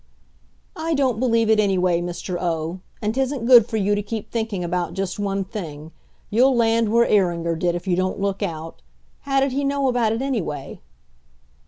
"I don't believe it, anyway, Mr. O; and 'tisn't good for you to keep thinking about just one thing. You'll land where Iringer did, if you don't look out. How did he know about it, anyway?"